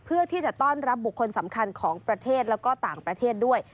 เพื่อที่จะต้อนรับบุคคลสำคัญของประเทศแล้วก็ต่างประเทศด้วย